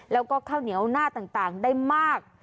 แล้วก็ข้าวเหนียวหน้าต่างได้มาก